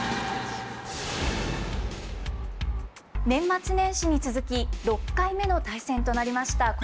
年末年始に続き６回目の対戦となりました